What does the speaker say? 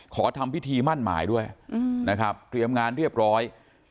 ทำพิธีมั่นหมายด้วยนะครับเตรียมงานเรียบร้อย